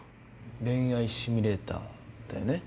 恋愛シミュレーターだよね？